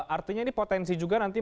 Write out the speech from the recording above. artinya ini potensi juga nanti